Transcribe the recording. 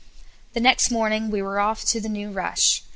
The next morning we were off to the new rush.